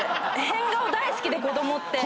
変顔大好きで子供って。